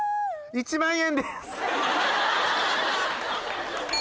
１万円です